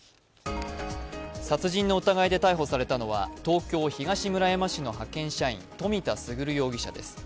殺人の疑いで逮捕されたのは東京・東村山市の派遣社員、冨田賢容疑者です。